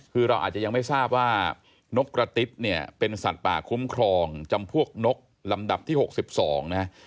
คือเราอาจจะยังไม่ทราบว่านกกระติ๊บเนี่ยเป็นสัตว์ป่าคุ้มครองจำพวกนกลำดับที่๖๒นะ